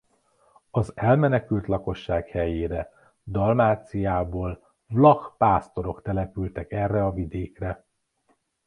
Az elmenekült lakosság helyére Dalmáciából vlach pásztorok települtek erre a vidékre.